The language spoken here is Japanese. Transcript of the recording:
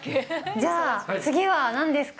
じゃあ、次はなんですか？